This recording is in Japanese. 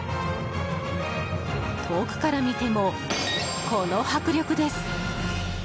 遠くから見てもこの迫力です。